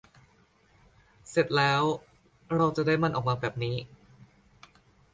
เสร็จแล้ว เราจะได้มันออกมาแบบนี้